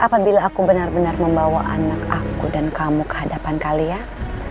apabila aku benar benar membawa anak aku dan kamu ke hadapan kalian